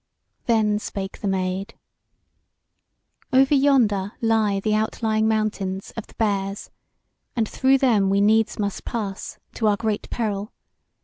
Then spake the Maid: "Over yonder lie the outlying mountains of the Bears, and through them we needs must pass, to our great peril.